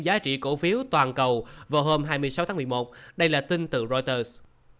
giá trị cổ phiếu toàn cầu vào hôm hai mươi sáu tháng một mươi một đây là tin từ reuters